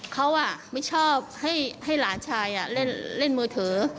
เขาไม่ชอบให้หลานชายเล่นมือถือ